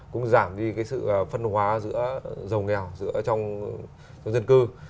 cũng giảm đi sự phân hóa giữa giàu nghèo giữa trong dân cư